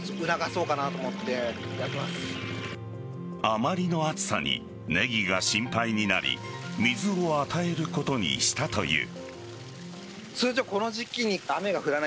あまりの暑さにネギが心配になり水を与えることにしたという。